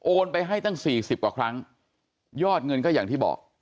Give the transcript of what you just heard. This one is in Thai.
ไปให้ตั้งสี่สิบกว่าครั้งยอดเงินก็อย่างที่บอก